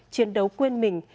chiến đấu quên mình